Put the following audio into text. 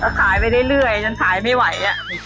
ก็ขายไปเรื่อยจนขายไม่ไหว